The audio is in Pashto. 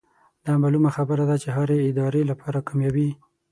دا معلومه خبره ده چې د هرې ادارې لپاره کاميابي